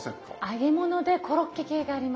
揚げ物でコロッケ系があります。